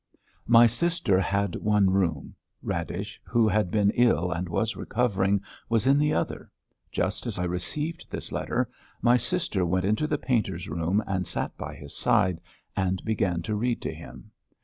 My sister had one room. Radish, who had been ill and was recovering, was in the other. Just as I received this letter, my sister went into the painter's room and sat by his side and began to read to him.